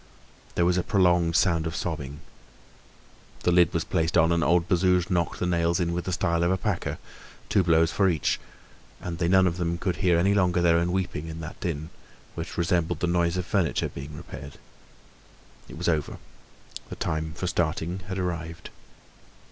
There was a prolonged sound of sobbing. The lid was placed on, and old Bazouge knocked the nails in with the style of a packer, two blows for each; and they none of them listened any longer to their own weeping in that din, which resembled the noise of furniture being repaired. It was over. The time for starting had arrived.